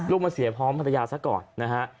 ลูกมาเสียห้องธนยาซะก่อนนะฮะ